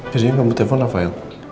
jadi kamu telfon rafael